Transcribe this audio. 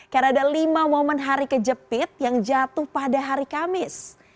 karena ada lima momen hari kejepit yang jatuh pada hari kamis